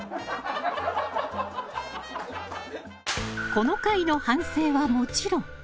この回の反省は、もちろん。